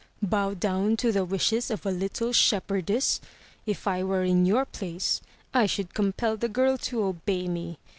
bow down to the wishes of a little shepherdess! If I were in your place, I should compel the girl to obey me.